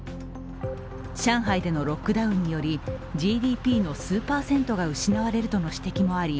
上海でのロックダウンによりＧＤＰの数パーセントが失われるとの指摘もあり